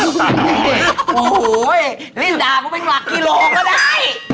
โอ้โหเล่นด่ากูเป็นหลักกิโลก็ได้